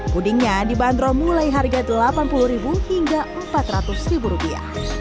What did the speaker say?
pudingnya dibanderol mulai harga delapan puluh hingga empat ratus rupiah